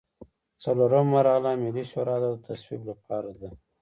څلورمه مرحله ملي شورا ته د تصویب لپاره ده.